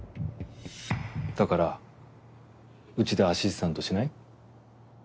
だからうちでアシスタントしない？